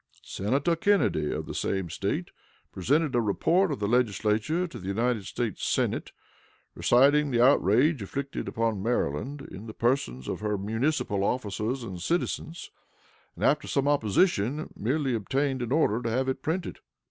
Senator Kennedy, of the same State, presented a report of the Legislature to the United States Senate, reciting the outrage inflicted upon Maryland in the persons of her municipal officers and citizens, and, after some opposition, merely obtained an order to have it printed.